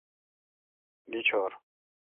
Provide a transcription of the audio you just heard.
دی ڄور۔